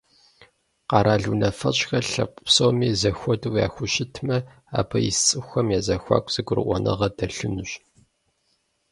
Къэрал унафэщӏхэр лъэпкъ псоми зэхуэдэу яхущытмэ, абы ис цӏыхухэм я зэхуаку зэгурыӀуэныгъэ дэлъынущ.